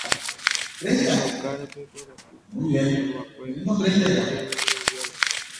ohechaukáre pe mborayhu oñanduva'ekue hembijeroviáre